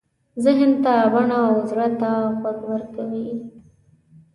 ذهن ته بڼه او زړه ته غږ ورکوي.